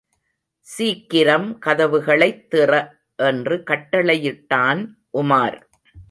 சீக்கிரம் கதவுகளைத் திற! என்று கட்டளையிட்டான் உமார்.